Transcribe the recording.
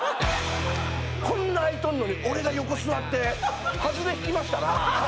こんな空いとんのに俺が横座ってハズレ引きましたなぁ。